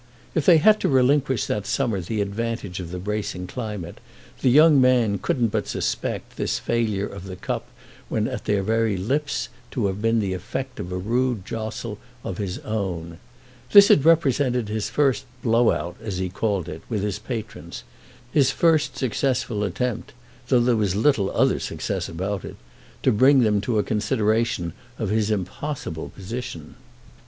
If they had to relinquish that summer the advantage of the bracing climate the young man couldn't but suspect this failure of the cup when at their very lips to have been the effect of a rude jostle of his own. This had represented his first blow out, as he called it, with his patrons; his first successful attempt—though there was little other success about it—to bring them to a consideration of his impossible position.